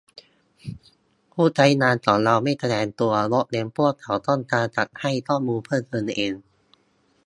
ผู้ใช้งานของเราไม่แสดงตัว ยกเว้นพวกเขาต้องการจะให้ข้อมูลเพิ่มเติมเอง